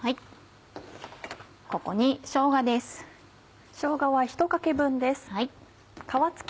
ここにしょうがです。